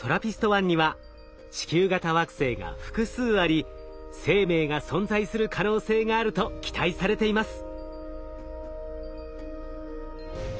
１には地球型惑星が複数あり生命が存在する可能性があると期待されています。